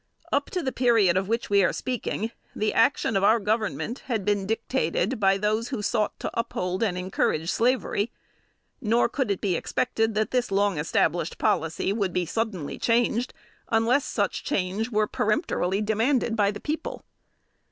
Up to the period of which we are speaking, the action of our Government had been dictated by those who sought to uphold and encourage Slavery; nor could it be expected that this long established policy would be suddenly changed, unless such change were peremptorily demanded by the people.